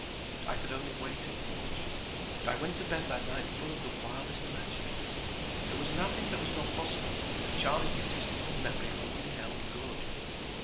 I could only wait and watch, but I went to bed that night full of the wildest imaginings. There was nothing that was not possible if Charlie's detestable memory only held good.